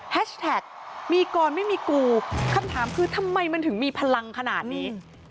แท็กมีกรไม่มีกูคำถามคือทำไมมันถึงมีพลังขนาดนี้